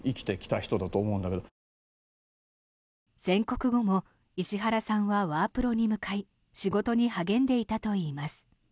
宣告後も石原さんはワープロに向かい仕事に励んでいたといいます。